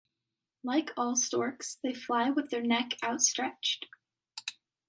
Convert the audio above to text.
Like all storks, they fly with their neck outstretched.